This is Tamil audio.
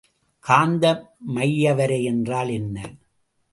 காந்த மையவரை என்றால் என்ன?